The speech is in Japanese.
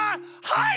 はい！